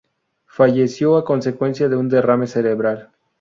Falleció a consecuencia de un derrame cerebral.